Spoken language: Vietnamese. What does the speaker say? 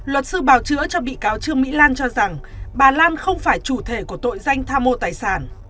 luật sư bào chữa cho bị cáo trương mỹ lan cho rằng bà lan không phải chủ thể của tội danh tham mô tài sản